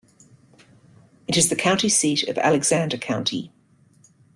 It is the county seat of Alexander County.